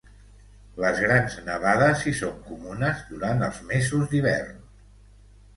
Les grans nevades hi són comunes durant els mesos d'hivern.